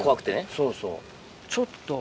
そうそう。